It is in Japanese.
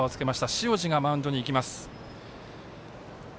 塩路がマウンドに行きます。